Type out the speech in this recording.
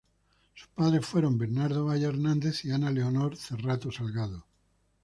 Sus padres fueron Bernardo Valle Hernández y Ana Leonor Cerrato Salgado.